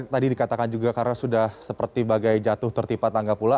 tadi dikatakan juga karena sudah seperti bagai jatuh tertipa tangga pula